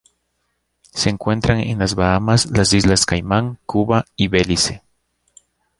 Se encuentran en las Bahamas, las Islas Caimán, Cuba y Belice.